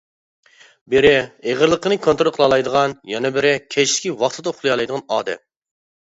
بىرى، ئېغىرلىقىنى كونترول قىلالايدىغان، يەنە بىرى، كەچلىكى ۋاقتىدا ئۇخلىيالايدىغان ئادەم.